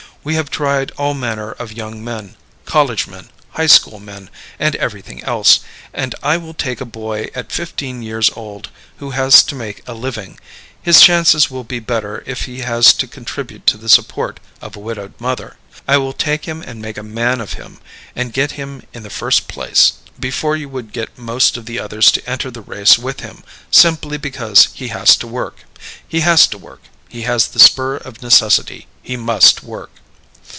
We have tried all manner of young men college men, high school men, and everything else and I will take a boy at fifteen years old who has to make a living his chances will be better if he has to contribute to the support of a widowed mother I will take him and make a man of him, and get him in the first place, before you would get most of the others to enter the race with him; simply because he has to work. He has to work, he has the spur of necessity; he must work.